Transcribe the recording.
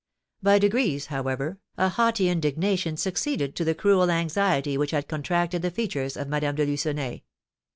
By degrees, however, a haughty indignation succeeded to the cruel anxiety which had contracted the features of Madame de Lucenay.